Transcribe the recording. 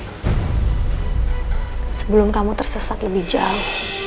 sebelum kamu tersesat lebih jauh